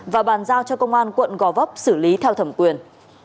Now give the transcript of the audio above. và bàn giao cho công an quận gò vấp xử lý theo thẩm quyền